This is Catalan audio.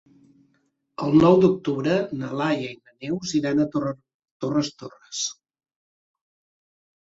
El nou d'octubre na Laia i na Neus iran a Torres Torres.